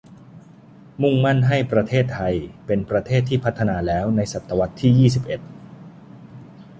มุ่งมั่นให้ประเทศไทยเป็นประเทศที่พัฒนาแล้วในศตวรรษที่ยี่สิบเอ็ด